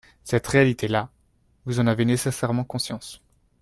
Cette réalité-là, vous en avez nécessairement conscience.